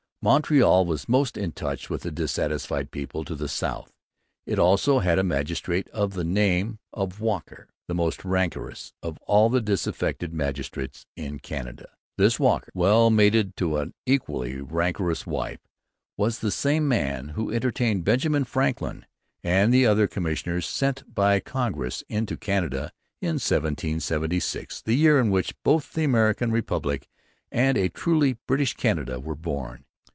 Montreal was most in touch with the disaffected people to the south. It also had a magistrate of the name of Walker, the most rancorous of all the disaffected magistrates in Canada. This Walker, well mated with an equally rancorous wife, was the same man who entertained Benjamin Franklin and the other commissioners sent by Congress into Canada in 1776, the year in which both the American Republic and a truly British Canada were born.